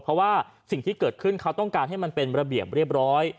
เพราะว่าสิ่งที่เกิดขึ้นเขาต้องการให้มันเป็นระเบียบเรียบร้อย